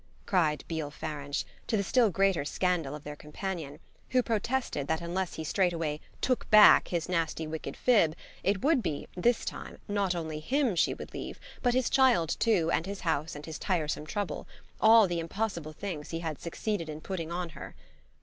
cried Beale Farange, to the still greater scandal of their companion, who protested that unless he straightway "took back" his nasty wicked fib it would be, this time, not only him she would leave, but his child too and his house and his tiresome trouble all the impossible things he had succeeded in putting on her.